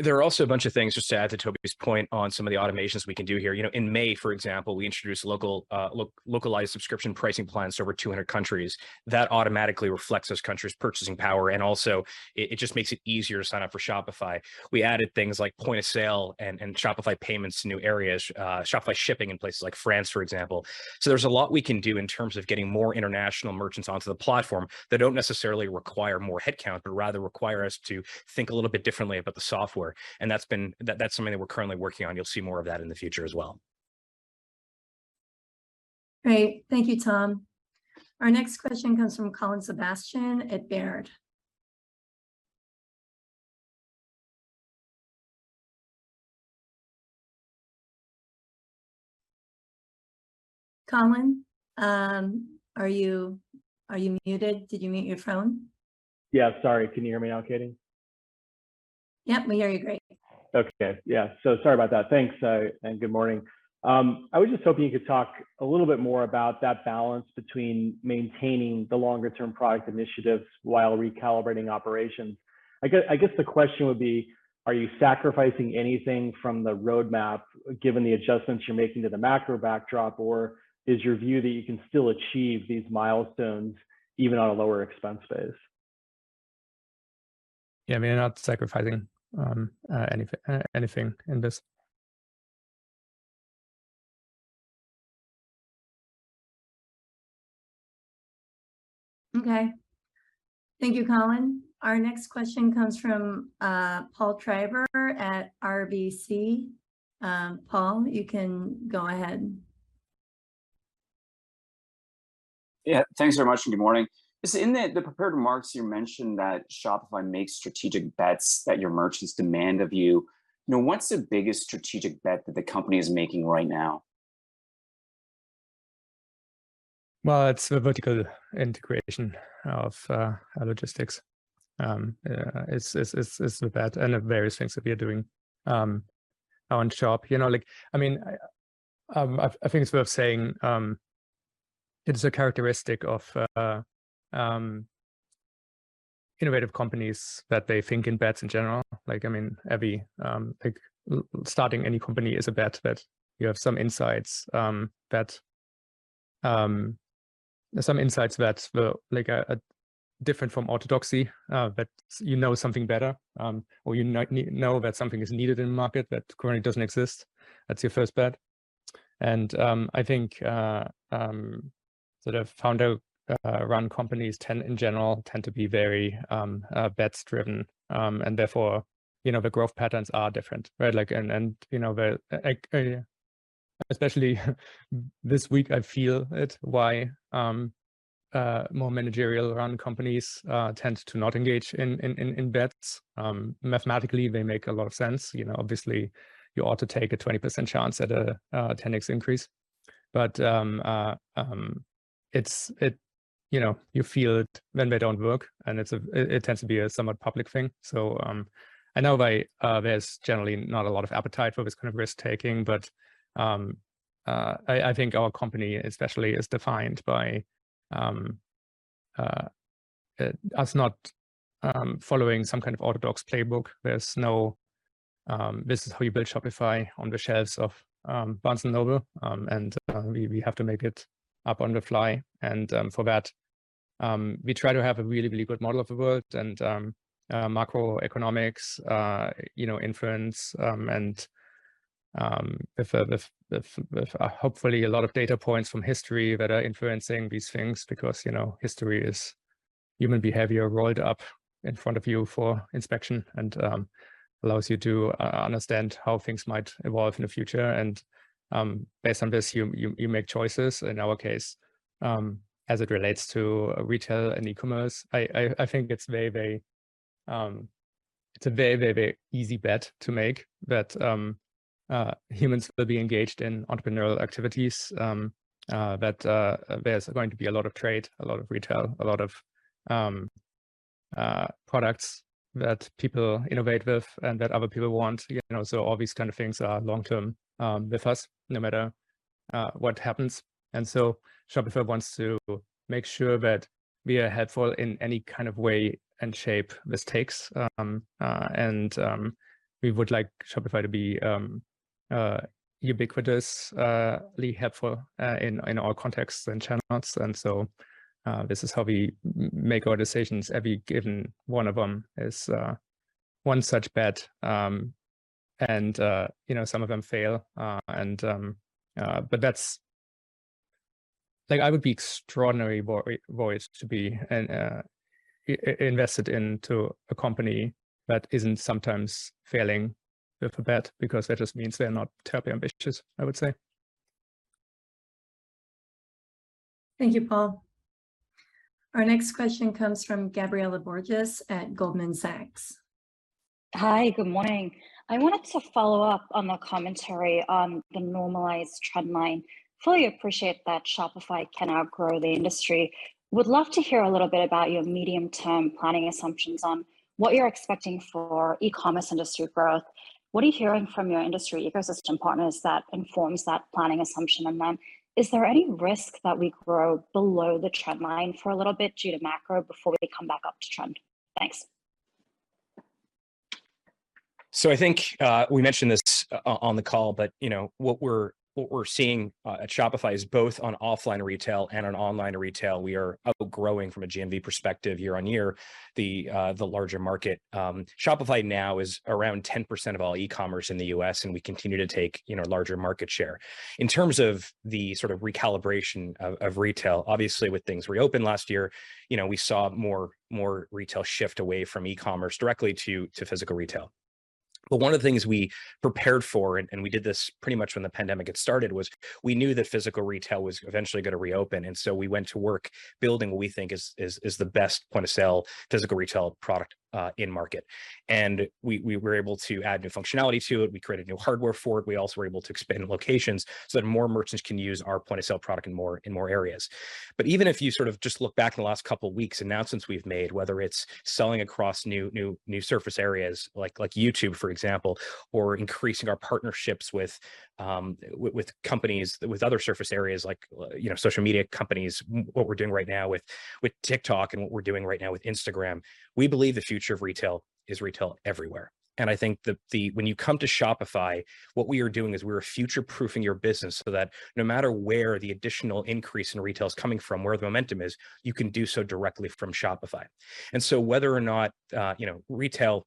There are also a bunch of things just to add to Tobi's point on some of the automations we can do here. You know, in May, for example, we introduced localized subscription pricing plans to over 200 countries. That automatically reflects those countries' purchasing power, and also it just makes it easier to sign up for Shopify. We added things like point of sale and Shopify Payments to new areas, Shopify Shipping in places like France, for example. There's a lot we can do in terms of getting more international merchants onto the platform that don't necessarily require more headcount, but rather require us to think a little bit differently about the software. That's something that we're currently working on. You'll see more of that in the future as well. Great. Thank you, Tom. Our next question comes from Colin Sebastian at Baird. Colin, are you muted? Did you mute your phone? Yeah. Sorry. Can you hear me now, Katie? Yep, we hear you great. Sorry about that. Thanks, and good morning. I was just hoping you could talk a little bit more about that balance between maintaining the longer term product initiatives while recalibrating operations. I guess the question would be, are you sacrificing anything from the roadmap given the adjustments you're making to the macro backdrop, or is your view that you can still achieve these milestones even on a lower expense base? Yeah. I mean, we're not sacrificing anything in this. Okay. Thank you, Colin. Our next question comes from Paul Treiber at RBC. Paul, you can go ahead. Yeah. Thanks very much, and good morning. In the prepared remarks, you mentioned that Shopify makes strategic bets that your merchants demand of you. You know, what's the biggest strategic bet that the company is making right now? Well, it's the vertical integration of our logistics. It's the bet and the various things that we are doing on Shop. You know, like, I mean, I think it's worth saying, it's a characteristic of innovative companies that they think in bets in general. Like, I mean, every, like starting any company is a bet that you have some insights, that some insights that's, like, different from orthodoxy, but you know something better, or you know that something is needed in the market that currently doesn't exist. That's your first bet. I think sort of founder run companies tend, in general, to be very bets driven. Therefore, you know, the growth patterns are different, right? Especially this week, I feel it. Why more managerial-run companies tend to not engage in bets. Mathematically they make a lot of sense. You know, obviously you ought to take a 20% chance at a 10x increase. You feel it when they don't work, and it tends to be a somewhat public thing. I know why there's generally not a lot of appetite for this kind of risk-taking. I think our company especially is defined by us not following some kind of orthodox playbook. There's no this is how you build Shopify on the shelves of Barnes & Noble. We have to make it up on the fly. For that, we try to have a really good model of the world and macroeconomics, you know, inference, with hopefully a lot of data points from history that are influencing these things because history is human behavior rolled up in front of you for inspection and allows you to understand how things might evolve in the future. Based on this, you make choices. In our case, as it relates to retail and e-commerce, I think it's a very easy bet to make that humans will be engaged in entrepreneurial activities, that there's going to be a lot of trade, a lot of retail, a lot of products that people innovate with and that other people want. You know, so all these kind of things are long-term with us, no matter what happens. Shopify wants to make sure that we are helpful in any kind of way and shape this takes. We would like Shopify to be ubiquitously helpful in all contexts and channels. This is how we make our decisions. Every given one of them is one such bet. You know, some of them fail. That's like, I would be extraordinarily bold to be invested into a company that isn't sometimes failing with a bet because that just means they're not terribly ambitious, I would say. Thank you, Paul. Our next question comes from Gabriela Borges at Goldman Sachs. Hi, good morning. I wanted to follow up on the commentary on the normalized trend line. Fully appreciate that Shopify can outgrow the industry. Would love to hear a little bit about your medium-term planning assumptions on what you're expecting for e-commerce industry growth. What are you hearing from your industry ecosystem partners that informs that planning assumption? Is there any risk that we grow below the trend line for a little bit due to macro before we come back up to trend? Thanks. I think we mentioned this on the call, but you know, what we're seeing at Shopify is both on offline retail and on online retail, we are outgrowing from a GMV perspective year-over-year the larger market. Shopify now is around 10% of all e-commerce in the U.S., and we continue to take you know, larger market share. In terms of the sort of recalibration of retail, obviously with things reopened last year, you know, we saw more retail shift away from e-commerce directly to physical retail. One of the things we prepared for, and we did this pretty much when the pandemic had started, was we knew that physical retail was eventually gonna reopen, and so we went to work building what we think is the best point-of-sale physical retail product in market. We were able to add new functionality to it. We created new hardware for it. We also were able to expand locations so that more merchants can use our point-of-sale product in more areas. Even if you sort of just look back in the last couple weeks, announcements we've made, whether it's selling across new surface areas, like YouTube, for example, or increasing our partnerships with companies, with other surface areas like, you know, social media companies, what we're doing right now with TikTok and what we're doing right now with Instagram, we believe the future of retail is retail everywhere. I think the when you come to Shopify, what we are doing is we are future-proofing your business so that no matter where the additional increase in retail's coming from, where the momentum is, you can do so directly from Shopify. Whether or not, you know, retail,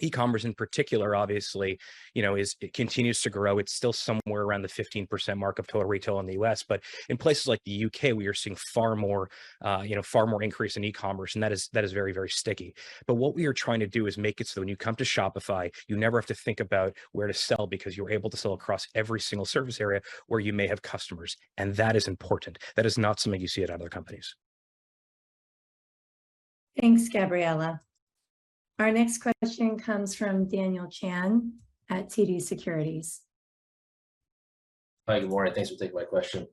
e-commerce in particular, obviously, you know, it continues to grow. It's still somewhere around the 15% mark of total retail in the U.S. In places like the U.K., we are seeing far more, you know, far more increase in e-commerce, and that is very sticky. What we are trying to do is make it so when you come to Shopify, you never have to think about where to sell because you're able to sell across every single surface area where you may have customers, and that is important. That is not something you see at other companies. Thanks, Gabriela. Our next question comes from Daniel Chan at TD Securities. Hi, good morning. Thanks for taking my question.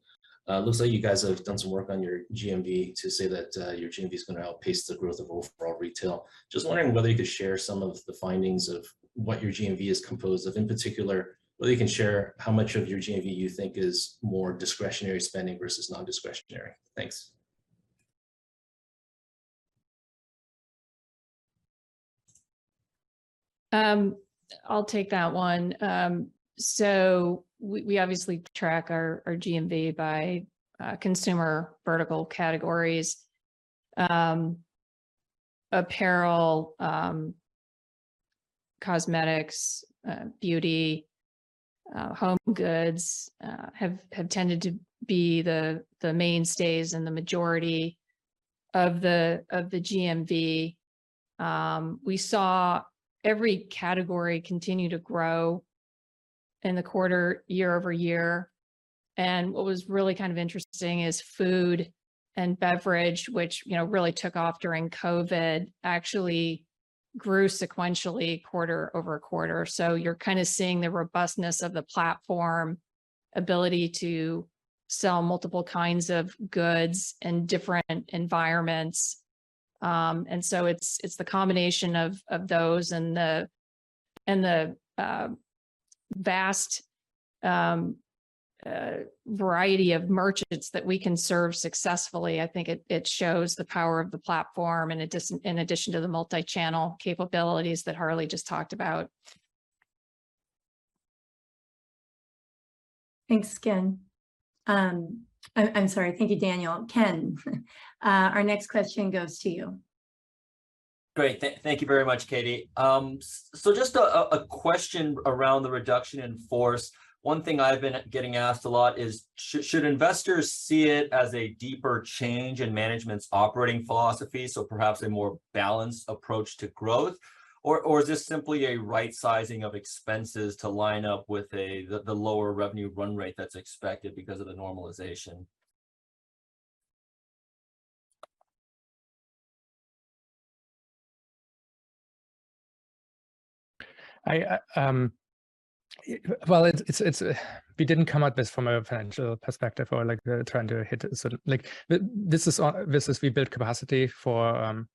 It looks like you guys have done some work on your GMV to say that your GMV is gonna outpace the growth of overall retail. Just wondering whether you could share some of the findings of what your GMV is composed of, in particular whether you can share how much of your GMV you think is more discretionary spending versus non-discretionary. Thanks. I'll take that one. So we obviously track our GMV by consumer vertical categories. Apparel, cosmetics, beauty, home goods have tended to be the mainstays and the majority of the GMV. We saw every category continue to grow in the quarter, year-over-year. What was really kind of interesting is food and beverage, which you know really took off during COVID, actually grew sequentially, quarter-over-quarter. You're kinda seeing the robustness of the platform ability to sell multiple kinds of goods in different environments. It's the combination of those and the vast variety of merchants that we can serve successfully. I think it shows the power of the platform in addition to the multi-channel capabilities that Harley just talked about. Thanks, Ken. I'm sorry. Thank you, Daniel. Ken, our next question goes to you. Great. Thank you very much, Katie. Just a question around the reduction in force. One thing I've been getting asked a lot is should investors see it as a deeper change in management's operating philosophy, so perhaps a more balanced approach to growth. Is this simply a rightsizing of expenses to line up with the lower revenue run rate that's expected because of the normalization? It's, we didn't come at this from a financial perspective or, like, trying to hit a certain. Like, this is, we built capacity for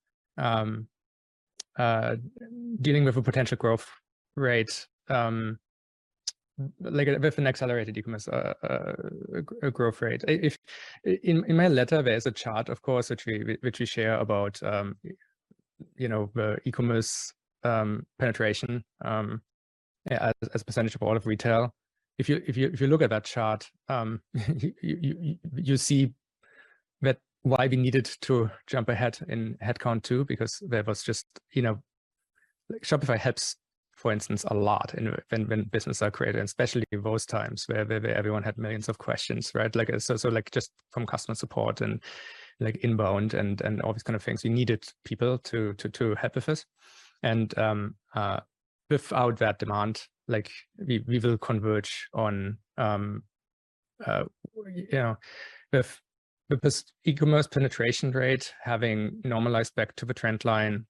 dealing with a potential growth rate, like, with an accelerated e-commerce growth rate. If, in my letter, there's a chart, of course, which we share about, you know, the e-commerce penetration as a percentage of all of retail. If you look at that chart, you see that why we needed to jump ahead in headcount two, because there was just. You know, Shopify helps, for instance, a lot when businesses are created, especially those times where everyone had millions of questions, right? Like, so, just from customer support and, like, inbound and all these kind of things. We needed people to help with this. Without that demand, like, we will converge on, you know, with the e-commerce penetration rate having normalized back to the trend line,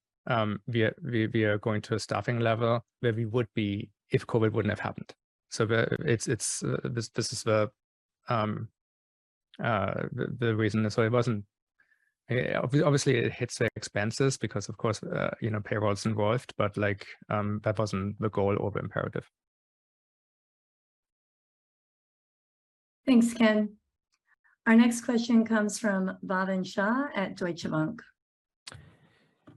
we are going to a staffing level where we would be if COVID wouldn't have happened. It's this. This is the reason. It wasn't obviously. It hits the expenses because, of course, you know, payroll's involved, but, like, that wasn't the goal or the imperative. Thanks, Ken. Our next question comes from Bhavin Shah at Deutsche Bank.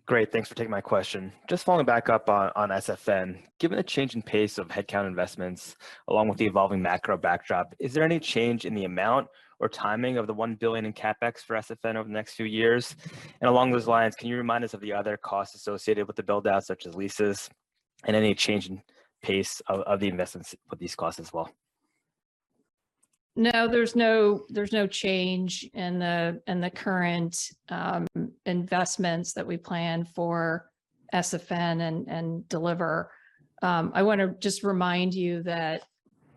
Great, thanks for taking my question. Just following back up on SFN. Given the change in pace of headcount investments, along with the evolving macro backdrop, is there any change in the amount or timing of the $1 billion in CapEx for SFN over the next few years? Along those lines, can you remind us of the other costs associated with the build-out, such as leases, and any change in pace of the investments for these costs as well? No, there's no change in the current investments that we plan for SFN and Deliverr. I wanna just remind you that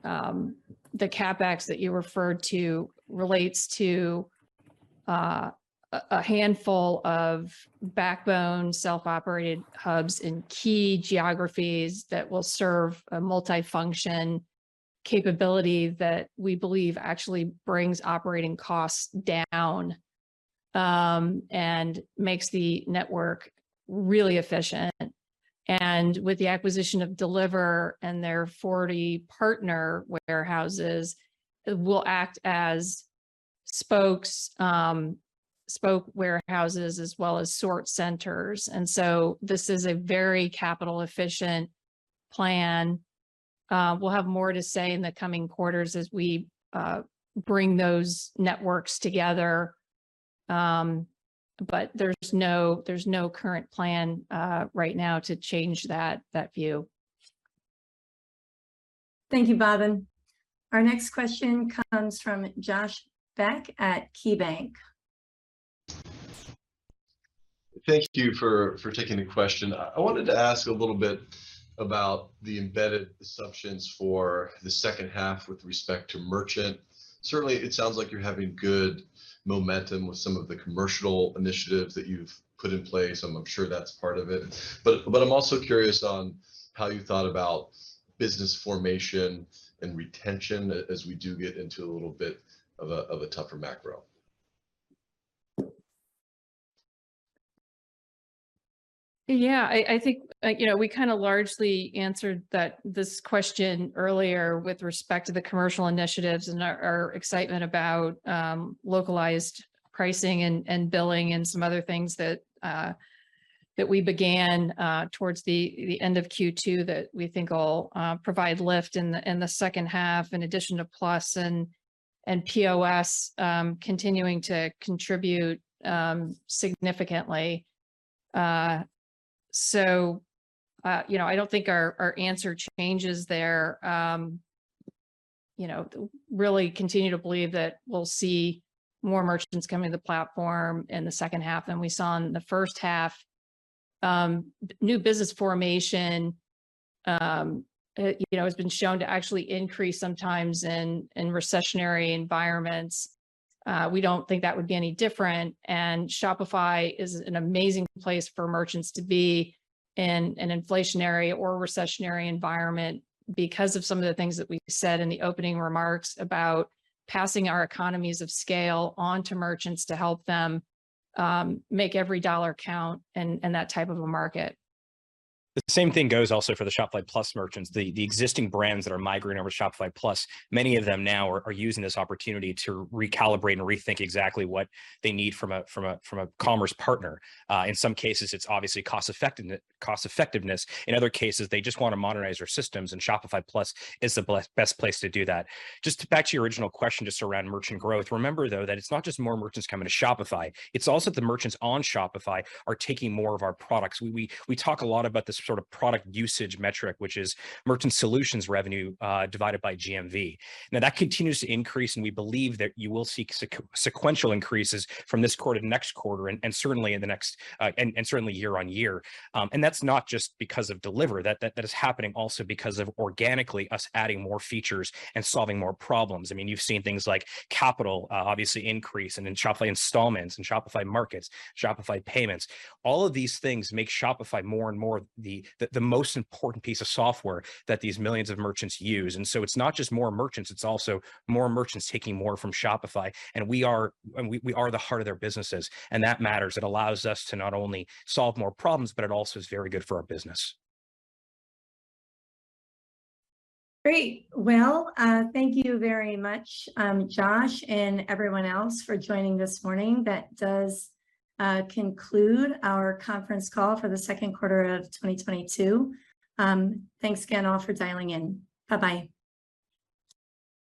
the CapEx that you referred to relates to a handful of backbone self-operated hubs in key geographies that will serve a multifunction capability that we believe actually brings operating costs down and makes the network really efficient. With the acquisition of Deliverr and their 40 partner warehouses, will act as spoke warehouses as well as sort centers. This is a very capital-efficient plan. We'll have more to say in the coming quarters as we bring those networks together. But there's no current plan right now to change that view. Thank you, Bhavin. Our next question comes from Josh Beck at KeyBanc. Thank you for taking the question. I wanted to ask a little bit about the embedded assumptions for the second half with respect to merchant. Certainly, it sounds like you're having good momentum with some of the commercial initiatives that you've put in place, and I'm sure that's part of it. I'm also curious on how you thought about business formation and retention as we do get into a little bit of a tougher macro. Yeah, I think, you know, we kinda largely answered that, this question earlier with respect to the commercial initiatives and our excitement about localized pricing and billing and some other things that we began towards the end of Q2 that we think will provide lift in the second half, in addition to Plus and POS continuing to contribute significantly. So, you know, I don't think our answer changes there. You know, really continue to believe that we'll see more merchants coming to the platform in the second half than we saw in the first half. New business formation, you know, has been shown to actually increase sometimes in recessionary environments. We don't think that would be any different, and Shopify is an amazing place for merchants to be in an inflationary or recessionary environment because of some of the things that we said in the opening remarks about passing our economies of scale onto merchants to help them make every dollar count in that type of a market. The same thing goes also for the Shopify Plus merchants. The existing brands that are migrating over to Shopify Plus, many of them now are using this opportunity to recalibrate and rethink exactly what they need from a commerce partner. In some cases, it's obviously cost effectiveness. In other cases, they just wanna modernize their systems, and Shopify Plus is the best place to do that. Just back to your original question just around merchant growth, remember though that it's not just more merchants coming to Shopify, it's also the merchants on Shopify are taking more of our products. We talk a lot about this sort of product usage metric, which is Merchant Solutions revenue divided by GMV. Now, that continues to increase, and we believe that you will see sequential increases from this quarter to next quarter and certainly year-over-year. That's not just because of Deliverr. That is happening also because of us organically adding more features and solving more problems. I mean, you've seen things like Shopify Capital obviously increase, and then Shop Pay Installments, and Shopify Markets, Shopify Payments. All of these things make Shopify more and more the most important piece of software that these millions of merchants use. It's not just more merchants, it's also more merchants taking more from Shopify, and we are the heart of their businesses, and that matters. It allows us to not only solve more problems, but it also is very good for our business. Great. Well, thank you very much, Josh and everyone else for joining this morning. That does conclude our conference call for the Q2 of 2022. Thanks again all for dialing in. Bye-bye.